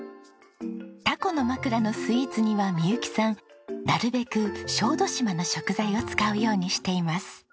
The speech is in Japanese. タコのまくらのスイーツには未佑紀さんなるべく小豆島の食材を使うようにしています。